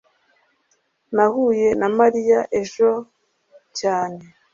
nahuye na mariya ejo cyane